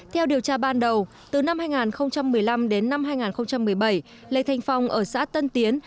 theo điều tra ban đầu từ năm hai nghìn một mươi năm đến năm hai nghìn một mươi bảy lê thanh phong ở xã tân tiến